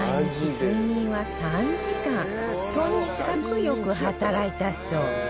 とにかくよく働いたそう